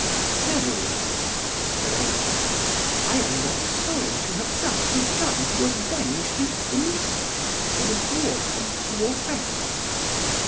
"Verily," said Peredur, "I am not sorry to have thus begun to avenge the insult to the dwarf and dwarfess."